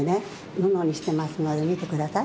ぬのにしてますのでみてください。